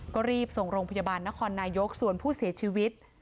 ก็รีบส่งโรงพยาบาลนครนายกส่วนผู้เสียชีวิต